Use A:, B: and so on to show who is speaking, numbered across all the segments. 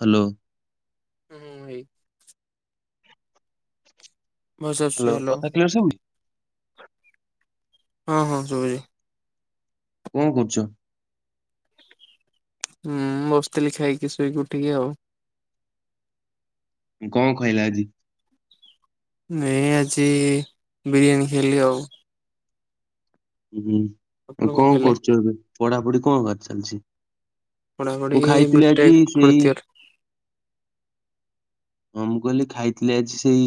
A: Hello.
B: ହୁଁ ହୁଁ, ଭାଇ ଭଏସ ଆସୁଛି
A: ହ୍ୟାଲୋ। କଥା କ୍ଲିୟର ଶୁଭୁ
B: ହଁ ହଁ, ସବୁ ହେଇଯାଏ।
A: କଣ କରୁଛ?
B: ହୁଁ ଉଁ ବସିଥିଲି, ଖାଇକି ଶୋଇକି ଉଠିକି ଆଉ।
A: କଣ କହିଲା ଆଜି?
B: ନାଇଁ ଆଜି ବିରିୟାନୀ ଖାଇଲି ଆଉ।
A: ହୁଁ,
B: ଆପଣ
A: ଆଉ କଣ
B: ଖାଇଲେ?
A: କରୁଛୁ ଏବେ? ପଢାପଢି କଣ କାହାର ଚାଲଚି?
B: ପଢାପଢି
A: ମୁଁ ଖାଇଥିଲି ଆଜି
B: ବିଟେକ୍
A: ସେଇ
B: ଫୋର୍ଥ ଇୟର
A: ହଁ, ମୁଁ କହିଲି ଖାଇଥିଲି ଆଜି ସେଇ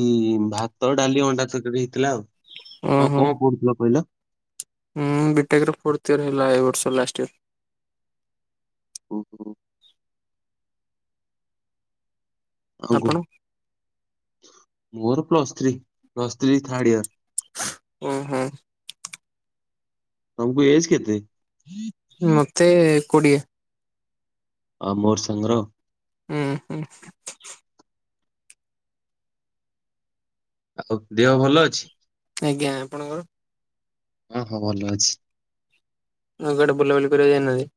A: ଭାତ, ଡାଲି, ଅଣ୍ଡା ତରକାରୀ ହେଇଥିଲା ଆଉ। ହଁ
B: ଓହୋ
A: କଣ ପଢ଼ୁଥିଲ କହିଲ?
B: ହୁଁ ବି ଟେକ ର ଫୋର୍ଥ ଇୟର ହେଲା, ଏଇ ବର୍ଷ ଲାଷ୍ଟ ଇୟର।
A: ଓହୋ। ଆଉ
B: ଆପଣ
A: କହ। ମୋର plus three, plus three third year.
B: ଓହୋ।
A: ତମକୁ ଏଜ କେତେ?
B: ମତେ କୋଡିଏ।
A: ଆ ମୋର ସାଙ୍ଗର ଆଉ।
B: ଉଁ ହୁଁ।
A: ଆଉ ଦେହ ଭଲ ଅଛି?
B: ଆଜ୍ଞା। ଆପଣଙ୍କର?
A: ହଁ ହଁ, ଭଲ ଅଛି।
B: ଆଉ କୁଆଡେ ବୁଲାବୁଲି କରିବାକୁ ଯାଇନାହାଁନ୍ତି?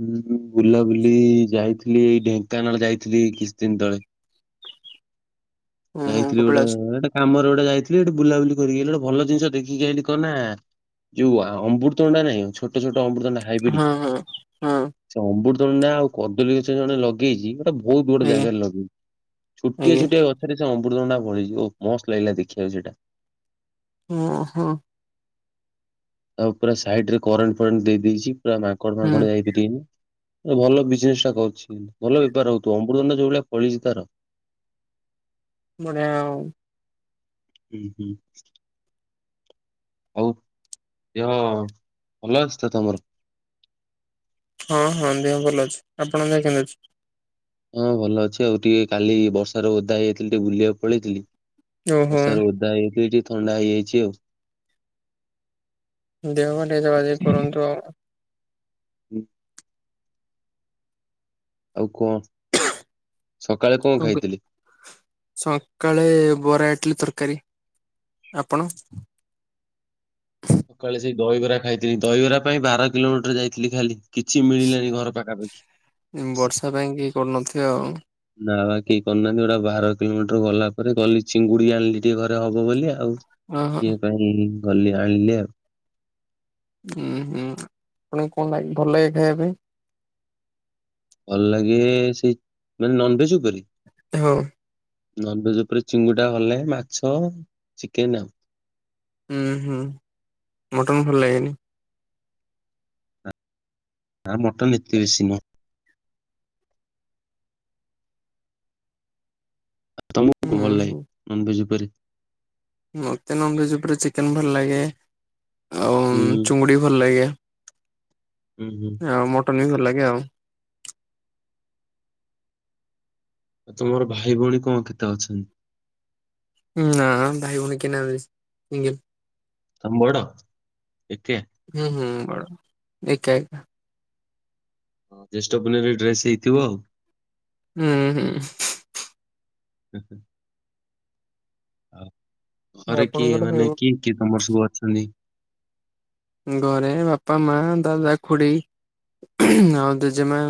A: ହୁଁ ହୁଁ। ବୁଲାବୁଲି ଏଇ ଯାଇଥିଲି, ଏଇ ଢେଙ୍କାନାଳ ଯାଇଥିଲି କିଛି ଦିନ ତଳେ।
B: ହୁଁ ହୁଁ
A: ଯାଇଥିଲି ଗୋଟେ,
B: କପିଳାସ
A: ଏଟେ କାମରେ ଗୋଟେ ଯାଇଥିଲି, ସେଠି ବୁଲାବୁଲି କରିକି ଆଇଲା ବେଳକୁ ଗୋଟ ଭଲ ଜିନିଷ ଦେଖିକି ଆଇଲି କଣ ନାଁ ଯୋଉ ଆ ଅମୃତଭଣ୍ଡା ନାଇଁ, ଛୋଟ ଛୋଟ ଅମୃତଭଣ୍ଡା ହାଇବ୍ରିଡ୍
B: ହଁ-ହଁ-ହଁ।
A: ସେ ଅମୃତଭଣ୍ଡା ଆଉ କଦଳୀ ଗଛ ଜଣେ ଲଗେଇଛି ସେଟା ବହୁତ ବଡ
B: ଆଜ୍ଞା
A: ଜାଗାରେ ଲଗେଇଚି। ଛୋଟିଆ
B: ଆଜ୍ଞା
A: ଛୋଟିଆ ଗଛ ଛରେ ସେ ଅମୃତଭଣ୍ଡା ଫଳିଛି। ଓଃ ମସ୍ତ ଲାଗିଲା ଦେଖିଆକୁ ସେଇଟା।
B: ଅଁ ହଁ।
A: ଆଉ ପୁରା ସାଇଡରେ କରେଣ୍ଟ ଫରେଣ୍ଟ ଦେଇ ଦେଇଛି, ପୁରା ମାଙ୍କଡ
B: ହୁଁ
A: ଫାଙ୍କଡ ଯାଇପା ରିବେନି, ଆ ଭଲ ବିଜନେସଟା କରୁଛି କିନ୍ତୁ। ଭଲ ବେପାର ହଉଥିବ, ଅମୃତଭଣ୍ଡା ଯୋଉ ଭଳିଆ ଫଳିଛି ତାର।
B: ବଢ଼ିଆ ଆଉ।
A: [inaudible] ଦେହ ଭଲ ଅଛି ତ ତମର?
B: ହଁ ହଁ, ଦେହ ଭଲ ଅଛି। ଆପଣ ଙ୍କ
A: ହଁ, ଭଲ ଅଛି ଆଉ ଟିକେ କାଲି ବର୍ଷାରେ ଓଦା ହେଇ ଯାଇଥିଲି, ଟିକେ ବୁଲିବାକୁ ପଳେଇଥିଲି।
B: ଓହୋ
A: ବର୍ଷାରେ ଓଦା ହେଇକି, ଟିକେ ଥଣ୍ଡା ହେଇଯାଇଚି ଆଉ।
B: ଦେହ---ଟିକେ ଜଗା ଜଗି କରନ୍ତୁ ଆଉ।
A: ହୁଁ। ଆଉ ସକାଳେ କ'ଣ ଖାଇଥିଲି?
B: ସକାଳେ ବରା, ଇଟ୍ଲି, ତର୍କାରୀ, ଆପଣ?
A: ସକାଳେ ସେଇ ଦହିବରା ଖାଇଥି, ଦହିବରା ପାଇଁ ବାର କିଲୋମିଟର ଯାଇଥିଲି ଖାଲି। କିଛି ମିଳିଲାନି ଘର ପାଖାପାଖି।
B: ବର୍ଷା ପାଇଁ କି କରୁନଥିବେ ଆଉ।
A: ନା ବା କେହି କରିନାହାନ୍ତି, ଗୋଟେ ବାର କିଲୋମିଟର ଗଲା ପରେ ଗଲି ଚିଙ୍ଗୁଡ଼ି ଆଣ୍ଲି ଟିକେ ଘରେ ହବ ବୋଲି ଆଉ।
B: ଓହୋ
A: ଇଏ ପାଇଁ ଗଲି, ଆଣ୍ଲି ଆଉ।
B: [inaudible]
A: ଭଲ୍ ଲାଗେ ମାନେ ନନଭେଜ୍‌ ଉପରେ।
B: ହଁ!
A: ନନଭେଜ୍‌ ଉପରେ ଚିଙ୍ଗୁଟା ଭଲ୍ ଲାଗେ। ମାଛ, ଚିକେନ୍‌ ଆ।
B: ଉଁ ହୁଁ, ମଟନ୍‌ ଭଲ୍ ଲାଗେନି।
A: ଆ, ମଟନ୍ ଏତେ ବେଶୀ ନୁହଁ। ତମକୁ କ'ଣ
B: ହୁଁ
A: ଭଲ ଲାଗେ
B: ହୁଁ।
A: ନନଭେଜ୍ ଉପରେ?
B: ମତେ ନନଭେଜ୍‌ ଉପରେ ଚିକେନ ଭଲ ଲାଗେ, ଆଉ
A: ହୁଁ
B: ଚୁଙ୍ଗୁଡ଼ି ଭଲ୍‌ ଲାଗେ।
A: [inaudible]
B: ଆଉ ମଟନ୍ ବି ଭଲ୍‌ ଲାଗେ ଆଉ।
A: ତୁମର ଭାଇ ଭଉଣୀ କ'ଣ କେତେ ଅଛ?
B: ନା ଭାଇ ଭଉଣୀ କେହି ନାହାନ୍ତି, ସିଙ୍ଗିଲ୍।
A: [inaudible]
B: [inaudible]
A: ଜେଷ୍ଠ ପୁନେଇ ରେ ଡ୍ରେସ୍‌ ହେଇଥିବ ଆଉ।
B: [inaudible]
A: ହୁଁ ହୁଁ। ଘରେ କିଏ,
B: ଆପଣଙ୍କର ଭାଇ
A: ମାନେ
B: ଭଉଣୀ?
A: କିଏ କିଏ ତମର ସବୁ ଅଛ?
B: ଘରେ ବାପା, ମା, ଦାଦା, ଖୁଡ଼ୀ ଆଉ ଦେଜେମା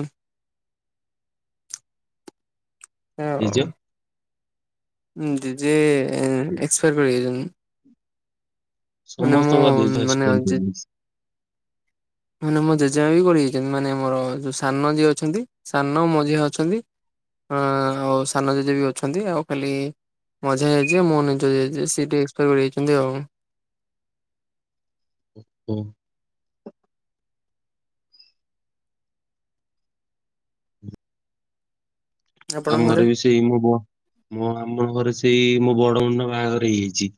A: ଜେଜ?
B: ହଉ। ଜେଜେ ଏ ଏକ୍ସପାୟାର କରିଯାଇଚନ୍ତି।
A: ସମସ୍ତଙ୍କ ଜେଜ
B: ମାନେ
A: ଏକ୍ସପାୟାର
B: ଜେ
A: କରିଯାଇ [unintelligible]
B: ମାନେ ମୋ ଜେଜେ ମାଁ ବି ଗରି ଯାଇଚନ୍ତି ମାନେ ମୋର ଯୋଉ ସାନ ମାଁ ଯିଏ ଅଛନ୍ତି ସାନ ମଝିଆଁ ଅଛନ୍ତି ଆଁ ଆଉ ସାନ ଜେଜେ ବି ଅଛନ୍ତି ଆଉ ଖାଲି ମଝିଆଁ ଜେଜେ ମୋ ନିଜ ଜେଜେ ସେ ଟିକେ ଏକ୍ସପାୟାର କରିଯାଇଚନ୍ତି ଆଉ
A: ହୁଁ।
B: ଆପଣଙ୍କ ଘରେ
A: ଆମର ବି ସେ ସେଇ ମୋ ବ ମୋ ଆମ ଘରେ ସେଇ ମୋ ବଡ ଭଉଣୀ ର ବାହାଘର ହେଇଯାଇଚି,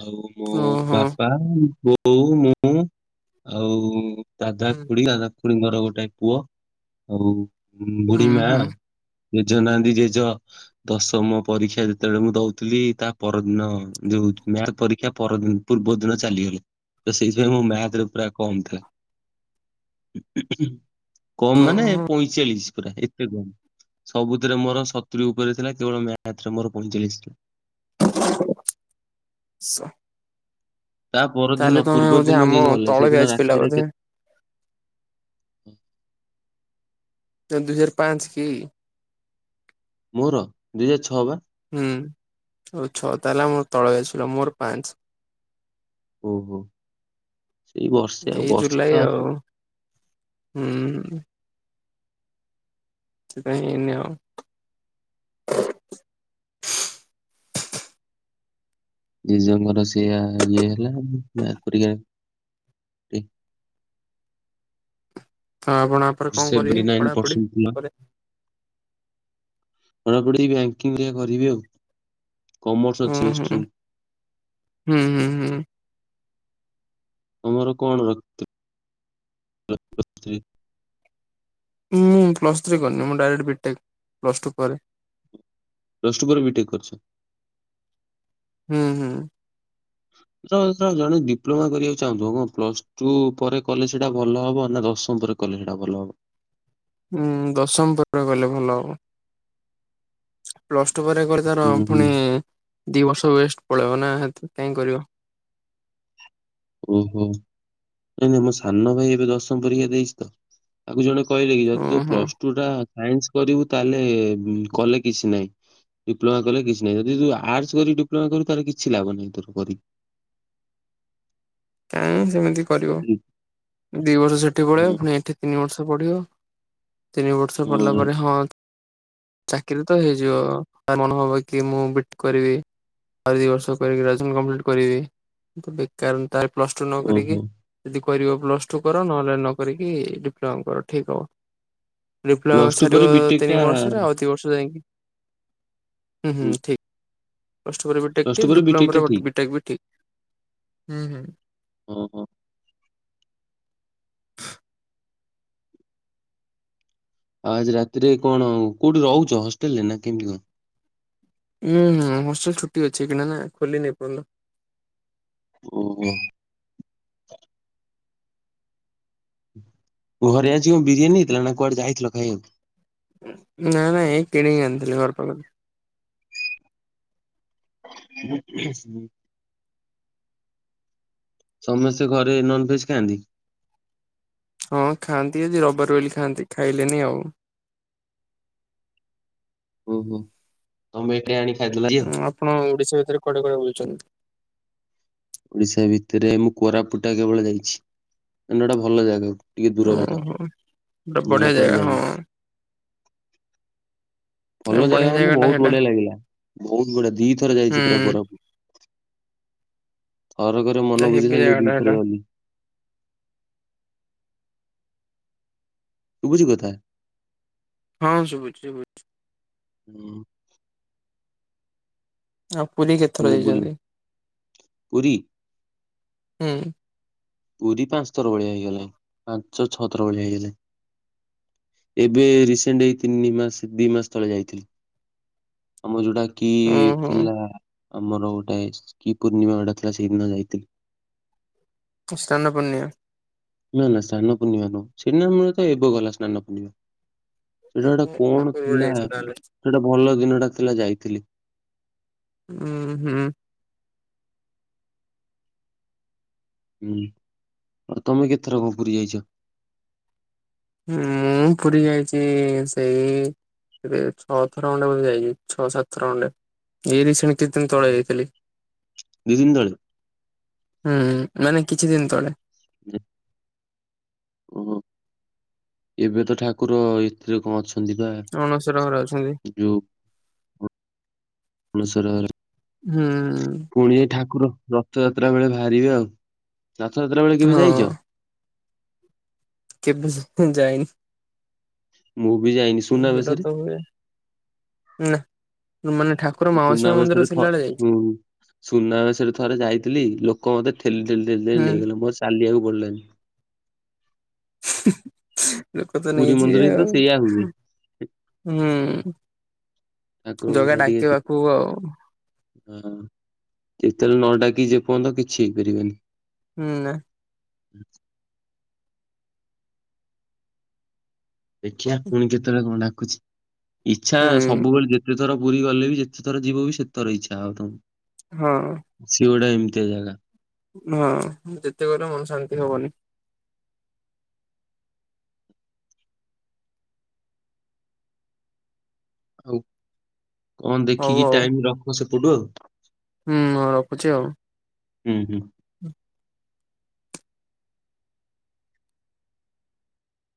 A: ଆଉ ମୋ
B: ଓହୋ
A: ବାପା, ବୋଉ ମୁଁ ଆଉ ଦାଦା, ଖୁଡି ଦାଦା ଖୁଡ଼ିଙ୍କର ଗୋଟାଏ ପୁଅ ଆଉ
B: ହୁଁ
A: ବୁଢ଼ି ମା'।
B: ହୁଁ
A: ଜେଜ ନାହାନ୍ତି, ଜେଜ ଦଶମ ପରୀକ୍ଷା ଯେତେବେଳେ ମୁଁ ଦଉଥିଲି, ତା' ପରଦିନ ଯଉ ପରୀକ୍ଷା ପରଦି ପୂର୍ବ ଦିନ ଚାଲିଗଲେ, ତ ସେଇଥି ପାଇଁ ମୋ ମ୍ୟାଥ୍ ରେ ପୁରା କମ୍ ଥା କମ୍ ମାନେ
B: ଓହୋ।
A: ପଇଁଚାଳିଶ୍ ପୁରା ଏତେ କମ୍। ସବୁଥିରେ ମୋର ସତୁରି ଉପରେ ଥିଲା, କେବଳ ମ୍ୟାଥ୍ ରେ ମୋର ପଇଁଚାଳିଶ୍ ଥିଲା।
B: [inaudible]
A: ତା'
B: ତାହେଲେ
A: ପରଦିନ,
B: ତମେ
A: ପୂର୍ବ
B: ବୋଧେ ଆମ
A: ଦିନ----ଲେ
B: ତଳ ବ୍ୟାଚ୍
A: ସେଦିନ
B: ପିଲା
A: ରାତିରେ
B: ବୋଧେ
A: କେ
B: ଦୁଇ ହଜାର୍ ପାଞ୍ଚ୍ କି?
A: ମୋର ଦୁଇ ହଜାର ଛଅ ବା।
B: ହୁଁ, ଆଉ ଛଅ ତା' ହେଲେ ଆମ ତଳ ବ୍ୟାଚ୍ ପିଲା, ମୋର ପାଞ୍ଚ୍।
A: ଓହୋ, ସେଇ ବର୍ଷେ
B: ଏଇ
A: ବର୍ଷେ
B: ଜୁଲାଇ ଆଉ [inaudible] ସେଥିପାଇଁ ଏଇନି ଆଉ
A: ଜେଜଙ୍କର ସେଇଆ ଇଏ ହେଲା ଆଉ ଆପ୍ରିକା
B: ଆ ଆପଣ ଆପରେ କଣ କରିବେ
A: ସେଭେଣ୍ଟି ନଇନ
B: ପଢାପଢି
A: ପରସେଣ୍ଟ ଥିଲା।
B: ପରେ?
A: ପଢ଼ାପଢ଼ି ବ୍ୟାଙ୍କିଙ୍ଗ ଦେଖିଆ କରିବି ଆଉ କମର୍ସ
B: ଉଁ
A: ଅଛି
B: ହୁଁ
A: ଷ୍ଟ୍ରିମ୍।
B: ହୁଁ ହୁଁ ହୁଁ।
A: ତମର କଣ ର [unintelligible]
B: ମୁଁ ପ୍ଲସ୍ ଥ୍ରୀ କରିନି ମୁଁ ଡାଇରେକ୍ଟ ବିଟେକ୍ ପ୍ଲସ୍ ଟୁ ପରେ।
A: ପ୍ଲସ ଟୁ ପରେ ବିଟେକ୍ କରିଚି।
B: ହୁଁ ହୁଁ।
A: ତ ତ ଜଣେ ଡିପ୍ଲୋମା କରିବାକୁ ଚାହୁଁଥିବ କଣ ପ୍ଲସ ଟୁ ପରେ କଲେ ସେଟା ଭଲ ହବ ନା ଦଶମ ପରେ କଲେ ସେଟା ଭଲ ହବ।
B: ଉଁ ଦଶମ ପରେ ଗଲେ ଭଲ ହବ। ପ୍ଲସ୍ ଟୁ ପରେ କରି ତାର
A: ହୁଁ ହୁଁ।
B: ପୁଣି ଦି ବର୍ଷ ୱେଷ୍ଟ ପଳେଇବ ନା ତ କାଇଁ କରିବ।
A: ଓହୋ ନାଇଁ ନାଇଁ ମୋ ସାନ ଭାଇ ଏବେ ଦଶମ ପରୀକ୍ଷା ଦେଇଚି ତ। ତାକୁ ଜଣେ କହିଲେ କି
B: ଉଁ
A: ଯଦି ତୁ
B: ହୁଁ
A: ପ୍ଲସ ଟୁ ଟା ସାଇନ୍ସ କରିବୁ ତାହେଲେ କଲେ କିଛି ନାହିଁ। ଡିପ୍ଲୋମା କଲେ କିଛି ନାହିଁ ଯଦି ତୁ ଆର୍ଟସ କରି ଡିପ୍ଲୋମା କରୁ କିଛି ଲାଭ ନାହିଁ ତୋର କରିି
B: କାଇଁ ସେମିତି କରିବ ଦି ବର୍ଷ ସେଠି
A: ହୁଁ
B: ପଢେଇବ ପୁଣି ଏଠି ତିନି ବର୍ଷ ପଢିବ। ତିନି ବର୍ଷ ପଡିଲା
A: ହୁଁ
B: ପରେ ହଁ ଚାକିରୀ ତ ହେଇଯିବ ତା ମନ ହବ କି ମୁଁ ବିଟ୍ କରିବି। ଆଉରି ଦିଇ ବର୍ଷ କରିକି ଗ୍ରାଜୁଏସନ୍ କମ୍ପ୍ଲିଟ କରିବି ତ ବେକାର ଉଁ ତାର ପ୍ଲସ ଟୁ ନ କରିକି
A: ଓହୋ
B: ଯଦି କରିବ ପ୍ଲସ ଟୁ କର ନହେଲେ ନ କରିକି ଡିପ୍ଲମା କର ଠିକ୍ ହବ। ଡିପ୍ଲୋମା
A: ପ୍ଲସ ଟୁ ପରେ
B: ସରିବ
A: ବିଟେକ୍ ଟା
B: ତିନି ବର୍ଷରେ ଆଉ ଦି ବର୍ଷ ଯାଇଁକି ହୁଁ ହୁଁ ଠିକ। ପ୍ଲସ ଟୁ ପରେ ବିଟେକ୍
A: ପ୍ଲସ
B: ଟି
A: ଟୁ
B: ଡିପ୍ଲମା
A: ଟା
B: ପରେ ବିଟେକ୍
A: ଠିକ୍
B: ବି ଠିକ୍, ହୁଁ ହୁଁ।
A: ଓହୋ। ଆଉ ଆଜି ରାତିରେ କଣ କୋଉଠି ରହୁଛ ହଷ୍ଟେଲରେ ନା କେମିତି କଁ?
B: ହୁଁ ହୁଁ ହଷ୍ଟେଲ ଛୁଟି ଅଛି ଏଇଖିଣା ନା ଖୋଲି ନି ଏ ପର୍ଯ୍ୟନ୍ତ।
A: [inaudible] ଘରେ ଆଜି ବିରିୟାନୀ ହେଇଥିଲା, ନା କୁଆଡ଼େ ଯାଇଥିଲ ଖାଇବାକୁ?
B: ନାଁ, ଏଇ କିଣିକି ଆଣିଥିଲି ଘର୍ ପାଖୁରୁ।
A: [inaudible] ସମସ୍ତେ ଘରେ ନନଭେଜ୍ ଖାଆନ୍ତି।
B: ହଁ, ଖାଆନ୍ତି ଆଜି ରବିବାର ଵୋଲି ଖାଆନ୍ତି ଖାଇଲେନି ଆଉ।
A: ଓହୋ! ଟମେ ଏକା ଆଣି ଖାଇଦେଲନି।
B: ଆପଣ ଓଡିଶା ଭିତରେ କୁଆଡେ କୁଆଡେ ବୁଲଚନ୍ତି?
A: ଓଡିଶା ଭିତରେ ମୁଁ କୋରାପୁଟ ଟା କେବଳ ଜାଇଚି, ମାନେ ଗୋଟେ ଭଲ ଜାଗାକୁ। ଟିକେ ଦୂର ବାଟ
B: ଓହୋ ବଢିଆ
A: ନଲେ
B: ଜାଗା
A: କୁଆଡେ
B: ହଁ
A: ଯାଇନି। ଭଲ ଜାଗା
B: ବଢିଆ
A: ମାନେ
B: ଟା
A: ବହୁତ
B: ସେଇଟା
A: ବଢିଆ ଲାଗିଲା ବହୁତ ବଢିଆ ଦିଥର ଯାଇଚି ପୁରା
B: ହୁଁ।
A: କୋରାପୁ। ଥରକରେ
B: ପୁରା
A: ମନ
B: ହେବି
A: ବୁଝିଲାନି ଦି
B: ଜାଗାଟା ହେଟା
A: ଥର ଗଲି। ସୁବୁଚି କଥା।
B: ହଁ ଶୁଭୁଚି ଶୁଭୁଚି।
A: ହୁଁ।
B: ଆଉ ପୁରୀ କେତେଥର
A: ହୁଁ ବୁଲି
B: ଯାଇଛନ୍ତି,
A: ପୁରୀ
B: ହୁଁ।
A: ପୁରୀ ପାଞ୍ଚ ଥର ଭଳିଆ ହେଇଗଲାଣି ପାଞ୍ଚ ଛଅଥର ଭଳିଆ ହେଇଗଲାଣି। ଏବେ ରିସେଣ୍ଟ ଏଇ ତିନି ମାସ ଦି ମାସ ତଳେ ଯାଇଥିଲି। ଆମର ଯୋଉଟା କିଏ
B: ଓହୋ
A: ଥିଲା? ଆମର ଗୋଟେ ସ୍ କିି ପୂର୍ଣ୍ଣିମା ଗୋଟେ ଥିଲା ସେଇଦିନ ଯାଇଥିଲି।
B: ସ୍ନାନ ପୂର୍ଣ୍ଣିମା।
A: ନା ନା ସ୍ନାନ ପୂର୍ଣିମା ନୁହଁ ସ୍ନାନ ପୂର୍ଣ୍ଣିମା ତ ଏବେ ଗଲା ସ୍ନାନ ପୂର୍ଣିମା। ସେଟା
B: ଓହୋ
A: ଗୋଟେ
B: ୟା
A: କଣ
B: ପୂର୍ବରୁ
A: ଥିଲା?
B: ଯାଇଥିଲୁ ତାହେଲେ।
A: ସେଟା ଭଲ ଦିନଟା ଥିଲା ଯାଇଥିଲି।
B: ହୁଁ ହୁଁ।
A: ହୁଁ। ଆଉ ତମେ କେତେଥର ପୁରୀ ଯାଇଛ?
B: ହୁଁ ପୁରୀ ଯାଇଛି ସେଇ ଏ ଛଅଥର ଖଣ୍ଡେ ମୁଁ ଯାଇଛି ଛଅ ସାତଥର ଖଣ୍ଡେ। ଏଇରି ରିସେଣ୍ଡ କେତେ ଦିନ ତଳେ ଯାଇଥିଲି।
A: ଦି ଦିନ ତଳେ
B: ହୁଁ, ମାନେ କିଛି ଦିନ ତଳେ।
A: [unintelligible] ଓହୋ! ଏବେ ତ ଠାକୁର ଏଥିରେ କଣ ଅଛନ୍ତି ବା?
B: ଅଣଶର ଘରେ ଅଛନ୍ତି।
A: [unintelligible] [unintelligible]
B: ହୁଁ।
A: ପୁଣି ଯାଇ ଠାକୁର ରଥଯାତ୍ରା ବେଳେ ବାହାରିବେ। ଆଉ ରଥଯାତ୍ରା ବେଳେ କେବେ
B: ହଁ
A: ଯାଇଛ?
B: କେବେ ଯାଇନି?
A: ମୁଁ ବି ଯାଇନି।
B: ହୁଁ ହେଟା
A: ସୁନାବେଶରେ।
B: ତ ହୁଏ [unintelligible] ମାନେ ଠାକୁର ମାଉସି ମା ମନ୍ଦିର ରେ ଥିଲାବେଳେ ଯାଇଚି।
A: ସୁନାବେଶ ରେ ଥରେ ଯାଇଥିଲି ଲୋକ ମତେ ଠେଲି ଠେଲି ଠେଲି ଠେଲି
B: ହୁଁ
A: ନେଇଗଲେ ମତେ ଚାଲିବାକୁ ପଡ଼ି ଲାନି।
B: [inaudible] ଲୋକ ତ
A: ପୁରୀ
B: ନେଇଯିବେ
A: ମନ୍ଦିରରେ ହିଁ ତ
B: ଆଉ
A: ସେଇଆ ହୁଏ।
B: ହୁଁ।
A: ଠାକୁରଙ୍କୁ
B: ଜଗା
A: ପୁରା ଟିକେ
B: ଡାକିବ
A: ସେ-
B: ପାଖକୁ ଆଉ।
A: ହଁ, ଯେତେବେଳେ ନ ଡାକିଚି ଯେ ପର୍ଯ୍ୟନ୍ତ କିଛି ହେଇପାରିବନି?
B: ହୁଁ।
A: ଦେଖିବା ପୁଣି କେତେବେଳେ କଣ ଡାକୁଛି ଇଚ୍ଛା
B: ହୁଁ
A: ସବୁବେଳେ ଯେତେଥର ପୁରୀ ଗଲେ ବି ଯେତେଥର ଯିବୁ ବି ସେଟେଥର ଇଚ୍ଛା ହଉଥିବ।
B: ହଁ।
A: ଶିଏ ଗୋଟେ ଏମିତିଆ ଜାଗା।
B: ହଁ ଯେତେ ଗଲେ ମନ ଶାନ୍ତି ହବନି।
A: ଆଉ କଣ
B: ହଉ
A: ଦେଖିକି ଟାଇମ ରଖ ସେପଟୁ ଆଉ।
B: ହୁଁଁ ରଖୁଛି ଆଉ।
A: ହୁଁ ହୁଁ।
B: ହୁଁ।